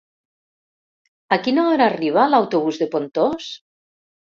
A quina hora arriba l'autobús de Pontós?